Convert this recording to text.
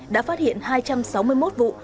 đã phát hiện hai trăm sáu mươi một vụ